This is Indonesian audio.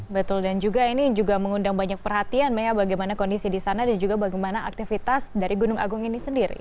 betul dan juga ini juga mengundang banyak perhatian meya bagaimana kondisi di sana dan juga bagaimana aktivitas dari gunung agung ini sendiri